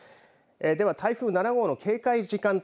では台風７号の警戒時間帯